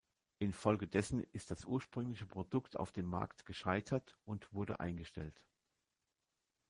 Infolgedessen ist das ursprüngliche Produkt auf dem Markt gescheitert und wurde eingestellt.